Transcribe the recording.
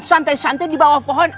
santai santai di bawah pohon